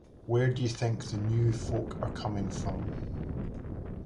Where d'you think the new folk are coming from?